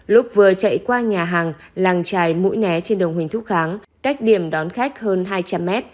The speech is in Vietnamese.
lúc vừa chạy qua nhà hàng làng trài mũi né trên đường huỳnh thúc kháng cách điểm đón khách hơn hai trăm linh mét